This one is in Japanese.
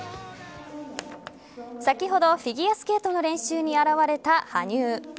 先ほどフィギュアスケートの練習に現れた羽生。